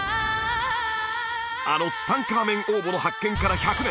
あのツタンカーメン王墓の発見から１００年